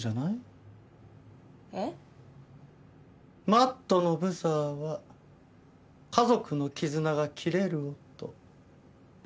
マットのブザーは家族の絆が切れる音。